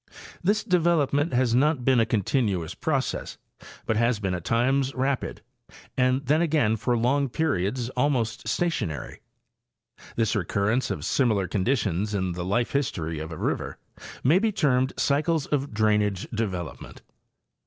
This de velopment has not been a continuous process, but has been at times rapid, and then again for long periods almost stationary. This recurrence of similar conditions in the life history of a river may be termed cycles of drainage development.